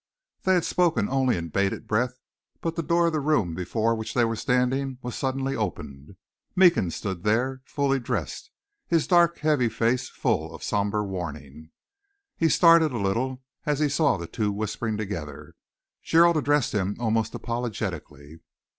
They had spoken only in bated breath, but the door of the room before which they were standing was suddenly opened. Meekins stood there, fully dressed, his dark, heavy face full of somber warning. He started a little as he saw the two whispering together. Gerald addressed him almost apologetically.